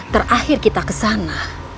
terakhir kita ke sana